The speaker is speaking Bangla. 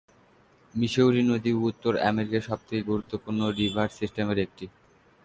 মিসৌরি নদী উত্তর আমেরিকার সবচেয়ে গুরুত্বপূর্ণ রিভার সিস্টেমের একটি।